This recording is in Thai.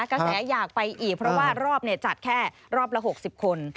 อยากไปอีกเพราะว่ารอบจัดแค่รอบละ๖๐คน